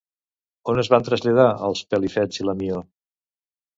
On es van traslladar els Pelifets i la Mió?